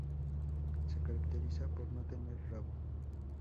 Se caracteriza por no tener rabo.